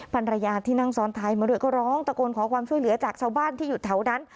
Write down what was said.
ภรรยาที่นั่งซ้อนท้ายมาด้วยก็ร้องตะโกนขอความช่วยเหลือจากชาวบ้านที่อยู่แถวนั้น